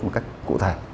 một cách cụ thể